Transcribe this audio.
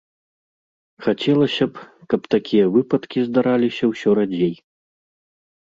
Хацелася б, каб такія выпадкі здараліся ўсё радзей.